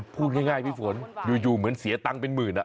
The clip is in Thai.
พูดง่ายพี่ฝนอยู่เหมือนเสียตังค์เป็นหมื่น